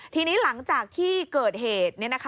ทีนี้หลังจากที่เกิดเหตุ